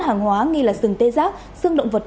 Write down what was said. hàng hóa nghi là sừng tê giác sừng động vật